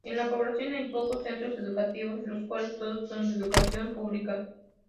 En la población hay pocos centros educativos los cuales todos son de educación pública.